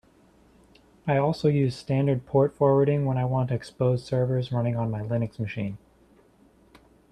I also use standard port forwarding when I want to expose servers running on my Linux machine.